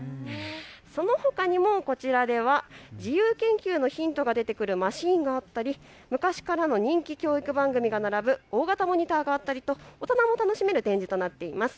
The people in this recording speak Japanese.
そのほかにもこちらでは自由研究のヒントが出てくるマシンがあったり昔からの人気教育番組が並ぶ大型モニターがあったりと大人も楽しめる展示となっております。